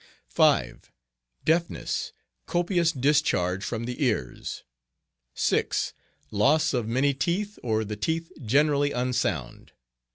5. Deafness; copious discharge from the ears. 6. Loss of many teeth, or the teeth generally unsound.